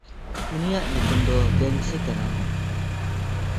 ᱩᱱᱤᱭᱟᱜ ᱧᱩᱛᱩᱢ ᱫᱚ ᱠᱮᱝᱮᱱᱴᱥᱮ ᱠᱟᱱᱟ᱾